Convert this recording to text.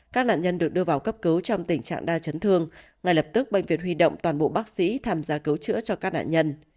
các nạn nhân được đưa vào cấp cứu trong tình trạng đa chấn thương ngay lập tức bệnh viện huy động toàn bộ bác sĩ tham gia cứu chữa cho các nạn nhân